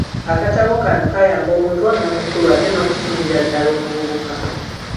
Akatabo kano kayamba omuto n’omukulu ate n’okusingira ddala omuvubuka.